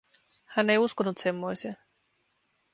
Hän ei uskonut semmoiseen.